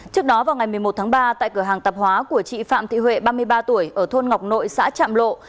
trước đó vào ngày một mươi một tháng ba tại cửa hàng tạp hóa của chị phạm thị huệ ba mươi ba tuổi ở thôn ngọc nội xã trạm lộ